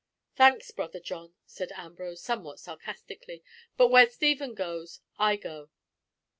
"Thanks, brother John," said Ambrose, somewhat sarcastically, "but where Stephen goes I go."